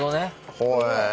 ほえ。